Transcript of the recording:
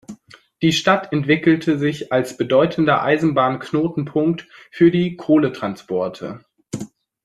Die Stadt entwickelte sich als bedeutender Eisenbahnknotenpunkt für die Kohletransporte.